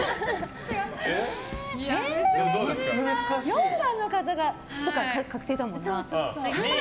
４番の方は確定だもんな。